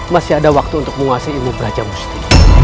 masih ada waktu untuk menguasai ilmu brajamusti